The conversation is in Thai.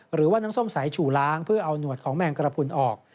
หรือว่าน้ำส้มสายฉู่ล้างเพื่อเอาหนวดของแมงกระพุนออก